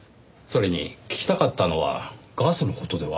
それに聞きたかったのはガスの事ではありませんよ。